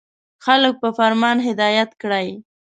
• خلک په فرمان هدایت کړئ.